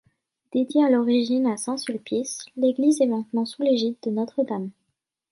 Dédiée à l'origine à saint Sulpice, l'église est maintenant sous l'égide de Notre-Dame.